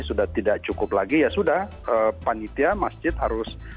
sudah tidak cukup lagi ya sudah panitia masjid harus